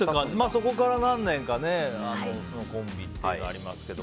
そこから何年かそのコンビっていうのがありますけど